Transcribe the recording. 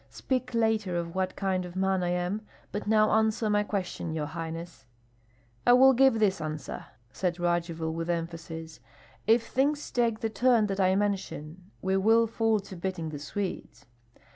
"Speak later of what kind of man I am; but now answer my question, your highness." "I will give this answer," said Radzivill, with emphasis: "if things take the turn that I mention, we will fall to beating the Swedes."